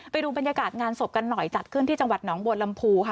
ไปดูบรรยากาศงานศพกันหน่อยจัดขึ้นที่จังหวัดหนองบัวลำพูค่ะ